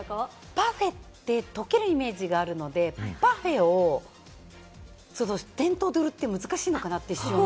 パフェって溶けるイメージがあるので、パフェを店頭で売るって難しいのかなって思って。